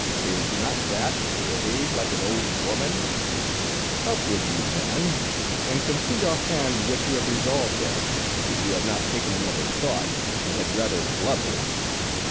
" Is not that to behave like an old woman ? Up with you, man, and complete offhand what you have resolved on, if you have not taken another thought, and had rather blubber